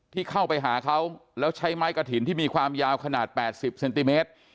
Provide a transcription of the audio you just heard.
ที่เข้าไปหาเขาแล้วใช้ไม้กระถิ่นที่มีความยาวขนาด๘๐เซนติเมตร